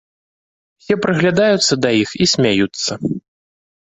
Усе прыглядаюцца да іх і смяюцца.